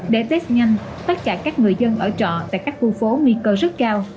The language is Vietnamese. để test nhanh tất cả các người dân ở trọ tại các khu phố nguy cơ rất cao